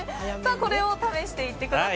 これを試してみてください。